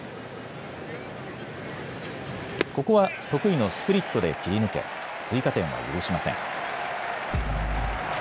ここは得意のスプリットで切り抜け、追加点は許しません。